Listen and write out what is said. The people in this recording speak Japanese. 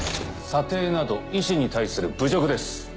査定など医師に対する侮辱です。